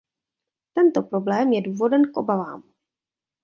Tento problém je důvodem k obavám.